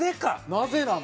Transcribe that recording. なぜなの？